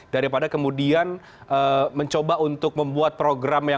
daripada kemudian mencoba untuk membuat program yang